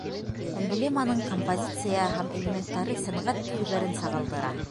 Эмблеманың композицияһы һәм элементтары сәнғәт төрҙәрен сағылдыра.